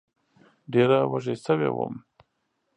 ډېره وږې سوې وم